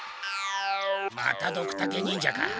またドクタケ忍者か。